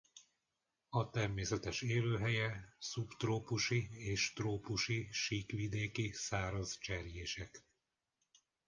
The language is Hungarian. A természetes élőhelye szubtrópusi és trópusi síkvidéki száraz cserjések.